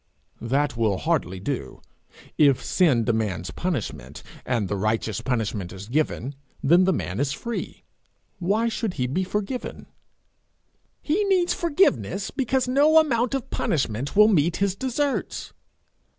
'That will hardly do. If sin demands punishment, and the righteous punishment is given, then the man is free. Why should he be forgiven?' 'He needs forgiveness because no amount of punishment will meet his deserts.'